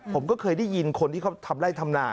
ผมก็เคยได้ยินคนที่เขาทำไล่ทำนา